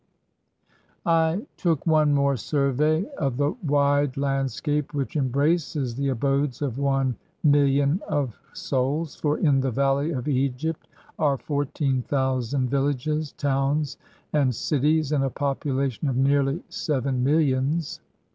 I took one more survey of the wide landscape, which embraces the abodes of one milHon of souls; for in the valley of Egypt are fourteen thousand villages, towns, and cities, and a population of nearly seven miUions.